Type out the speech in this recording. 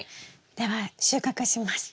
では収穫します。